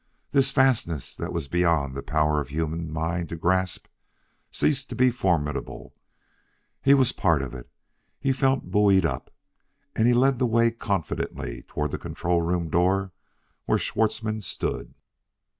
This vastness that was beyond the power of human mind to grasp ceased to be formidable he was part of it. He felt buoyed up; and he led the way confidently toward the control room door where Schwartzmann stood.